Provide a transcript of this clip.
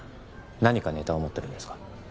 何かネタを持ってるんですか？